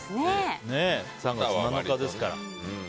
３月７日ですから。